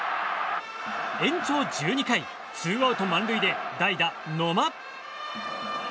延長１２回ツーアウト満塁で代打、野間。